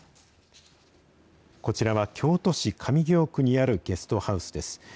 こちらは京都市上京区にあるゲストハウスです。